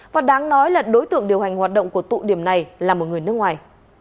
và đáng nói là đối tượng điều hành hoạt động của tụ điểm này là một người nước ngoài